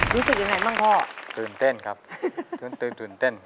รู้สึกยังไงบ้างพ่อตื่นเต้นครับตื่นตื่นเต้น